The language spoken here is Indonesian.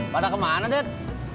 pada kemana det